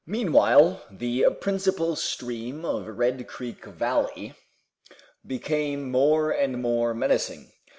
Meanwhile, the principal stream of Red Creek Valley became more and more menacing.